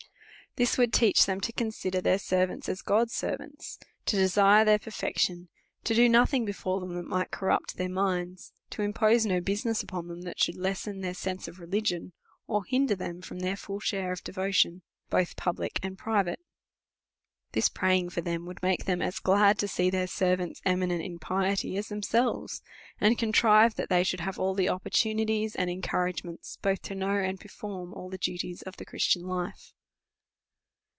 This would teach them to consider their servants as God's servants, to desire their perfection, to do nothing before them that might corrupt their minds, to impose no business upon them that should lessen their sense of religion, or hinder them from their full share of devotion, both public and private. This praying' for them would make them as glad to see their servants eminent in piety as themselves, and contrive that they should have all the opportunities and encouragements, both to know and perform all the duties of the Christian life.